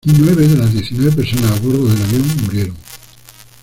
Nueve de las diecinueve personas a bordo del avión murieron.